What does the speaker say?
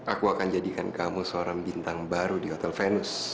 aku akan jadikan kamu seorang bintang baru di hotel venus